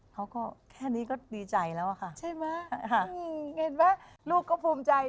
เขาก็แค่นี้ก็ดีใจแล้วอะค่ะใช่ไหมเห็นไหมลูกก็ภูมิใจ